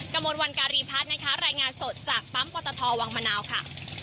กระมวลวันการีพัฒน์นะคะรายงานสดจากปั๊มปตทวังมะนาวค่ะ